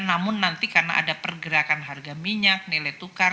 namun nanti karena ada pergerakan harga minyak nilai tukar